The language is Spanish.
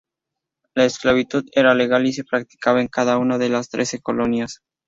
La esclavitud era legal y se practicaba en cada una de las Trece Colonias.